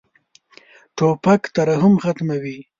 توپک ترحم ختموي.